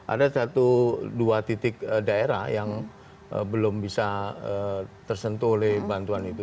ada satu dua titik daerah yang belum bisa tersentuh oleh bantuan itu